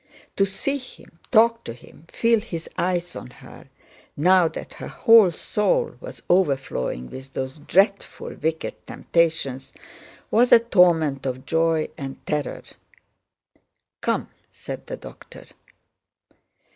To see him, talk to him, feel his eyes on her now that her whole soul was overflowing with those dreadful, wicked temptations, was a torment of joy and terror. "Come," said the doctor.